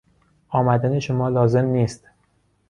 آمدن شما لازم نیست.